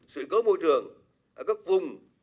sự cố môi trường ở các vùng